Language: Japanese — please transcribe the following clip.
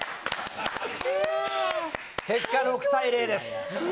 結果、６対０です。